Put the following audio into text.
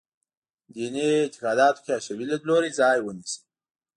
دیني اعتقاداتو کې حشوي لیدلوری ځای ونیسي.